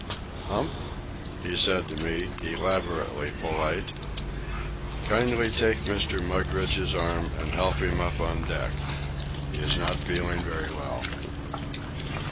"Hump," he said to me, elaborately polite, "kindly take Mr. Mugridge's arm and help him up on deck. He is not feeling very well."